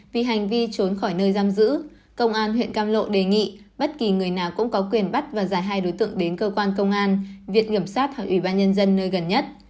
vì hành vi trốn khỏi nơi giam giữ công an huyện cam lộ đề nghị bất kỳ người nào cũng có quyền bắt và giả hai đối tượng đến cơ quan công an viện kiểm sát hoặc ủy ban nhân dân nơi gần nhất